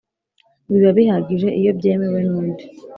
biba bihagije iyo byemewe n undi